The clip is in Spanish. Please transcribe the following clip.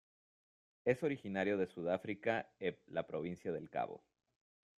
Es originario de Sudáfrica eb la Provincia del Cabo.